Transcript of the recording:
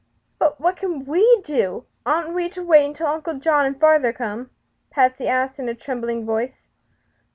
"But what can we do? Oughtn't we to wait until Uncle John and father come?" Patsy asked, in a trembling voice.